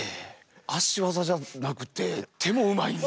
足技じゃなくて手もうまいんだ。